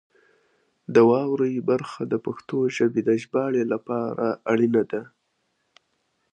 د واورئ برخه د پښتو ژبې د ژباړې لپاره اړینه ده.